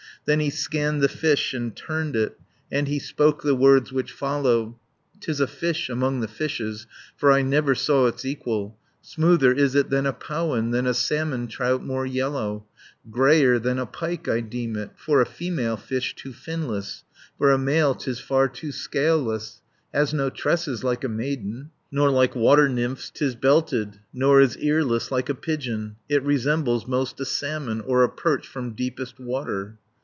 Then he scanned the fish, and turned it, And he spoke the words which follow; 60 "'Tis a fish, among the fishes, For I never saw its equal, Smoother is it than a powan, Than a salmon trout more yellow, Greyer than a pike I deem it, For a female fish too finless, For a male 'tis far too scaleless; Has no tresses, like a maiden, Nor, like water nymphs, 'tis belted; Nor is earless like a pigeon; 70 It resembles most a salmon, Or a perch from deepest water."